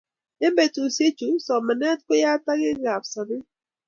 Eng betushe chu somanee ko yateekab sobee.